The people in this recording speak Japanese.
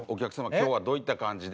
今日はどういった感じで？